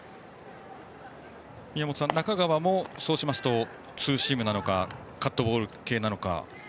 宮本さん、中川もそうしますとツーシームなのかカットボール系なのか。